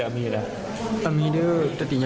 ที่ที่เนี่ย